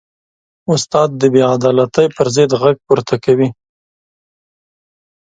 استاد د بېعدالتۍ پر ضد غږ پورته کوي.